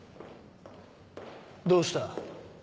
どうした？